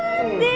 gak ada chosen